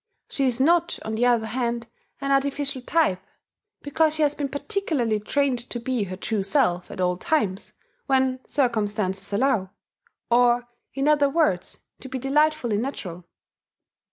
She is not, on the other hand, an artificial type, because she has been particularly trained to be her true self at all times when circumstances allow, or, in other words, to be delightfully natural.